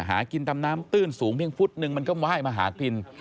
หากินตำน้ำตื้นสูงเพียงฟุตนึงมันก็ไหว้มาหากิน